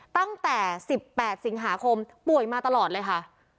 ตั้งแต่๑๘สิงหาคมป่วยมาตลอดเลยค่ะ